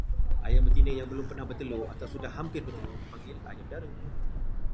Ayam betina yang belum pernah bertelur atau sudah hampir bertelur dipanggil ayam dara.